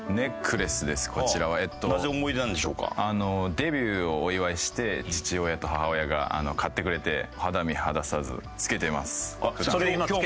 デビューをお祝いして父親と母親が買ってくれて肌身離さず着けてます。